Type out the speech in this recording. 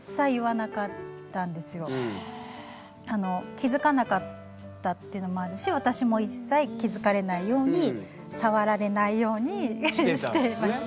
気付かなかったっていうのもあるし私も一切気付かれないように触られないようにしていました。